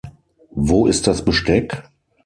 Wo ist das Besteck?